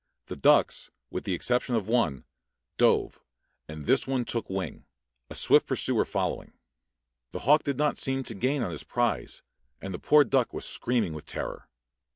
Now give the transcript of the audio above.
The ducks, with the exception of one, dove, and this one took wing, a swift pursuer following. The hawk did not seem to gain on his prize, and the poor duck was screaming with terror.